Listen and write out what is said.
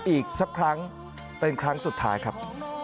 อีกสักครั้งเป็นครั้งสุดท้ายครับ